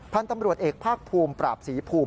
พันธุ์ตำรวจเอกภาคภูมิปราบศรีภูมิ